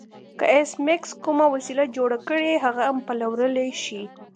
که ایس میکس کومه وسیله جوړه کړي هغه هم پلورلی شي